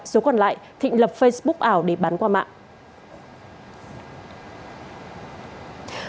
số còn lại thịnh lập facebook ảo để bán qua mạng